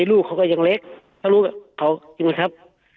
ลูกเขาก็ยังเล็กเพราะลูกเขายังไงครับ